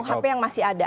kuhp yang masih ada